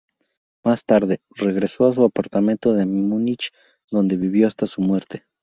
Más tarde, regresó a su apartamento de Múnich donde vivió hasta su muerte.